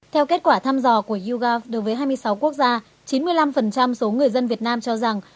theo kết quả thăm dò của yoga đối với hai mươi sáu quốc gia chín mươi năm số người dân việt nam cho rằng